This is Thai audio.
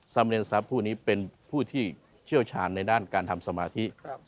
สำเร็งทรัพย์ผู้นี้เป็นผู้ที่เชี่ยวชาญในด้านการทำสมาธิ